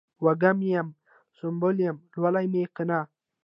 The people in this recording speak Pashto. وږم یم ، سنبل یمه لولی مې کنه